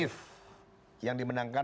if yang dimenangkan